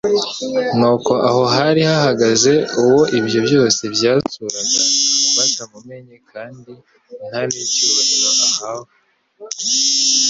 Nuko aho hari hahagaze uwo ibyo byose byasuraga batamumenye kandi nta n'icyubahiro ahawe.